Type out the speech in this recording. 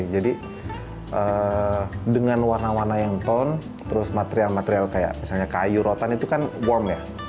jadi dengan warna warna yang tone material material kayak kayu rotan itu warm